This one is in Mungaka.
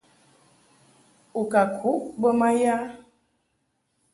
U ka kuʼ bə ma ya ?